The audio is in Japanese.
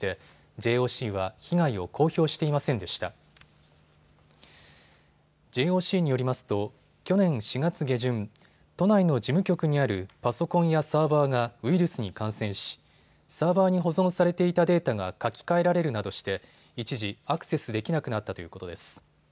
ＪＯＣによりますと去年４月下旬、都内の事務局にあるパソコンやサーバーがウイルスに感染しサーバーに保存されていたデータが書き換えられるなどして一時、アクセスできなくなったということです。